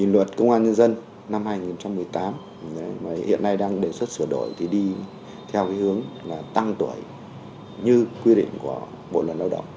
luật công an nhân dân năm hai nghìn một mươi tám hiện nay đang đề xuất sửa đổi thì đi theo hướng là tăng tuổi như quy định của bộ luật lao động